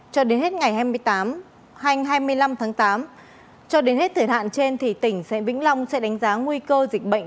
cho đến hết ngày hai mươi tám hai mươi năm tháng tám cho đến hết thời hạn trên thì tỉnh sẽ vĩnh long sẽ đánh giá nguy cơ dịch bệnh